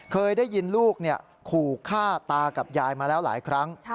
เคยได้ยินลูกขู่ฆ่าตากับยายมาแล้วหลายครั้ง